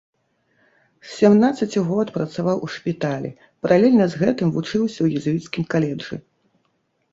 З сямнаццаці год працаваў у шпіталі, паралельна з гэтым вучыўся ў езуіцкім каледжы.